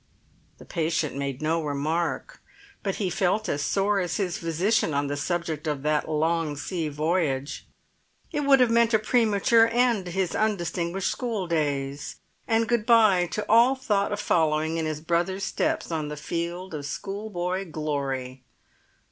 The patient made no remark; but he felt as sore as his physician on the subject of that long sea voyage. It would have meant a premature end to his undistinguished schooldays, and goodbye to all thought of following in his brothers' steps on the field of schoolboy glory.